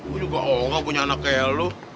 gue juga gak punya anak kayak lo